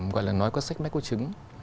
gọi là nói qua sách máy cố chứng